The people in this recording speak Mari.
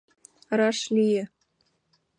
Раш лие.